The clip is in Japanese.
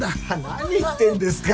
何言ってんですか！